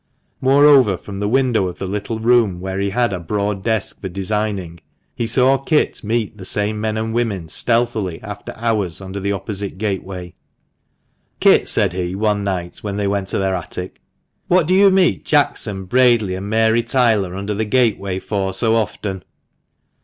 Moreover, from the window of the little room where he had a broad desk for designing, he saw Kit meet the same men and women stealthily after hours under the opposite gateway. "Kit," said he, one night, when they went to their attic, "what do you meet Jackson, Bradley, and Mary Taylor under the gate way for so often